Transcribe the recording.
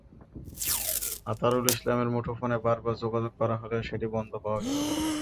আতারুল ইসলামের মুঠোফোনে বারবার যোগাযোগ করা হলেও সেটি বন্ধ পাওয়া গেছে।